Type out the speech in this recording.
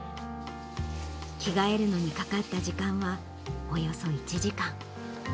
着替えるのにかかった時間は、およそ１時間。